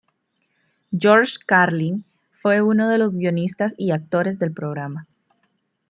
George Carlin fue uno de los guionistas y actores del programa.